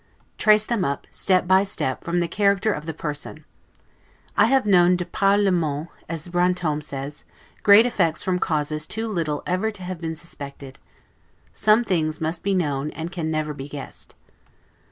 Trace them up, step by step, from the character of the person. I have known 'de par le monde', as Brantome says, great effects from causes too little ever to have been suspected. Some things must be known, and can never be guessed.